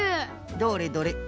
どれどれ。